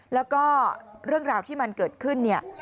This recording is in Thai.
แล้วก็เรื่องราวที่มันเกิดขึ้นเนี่ย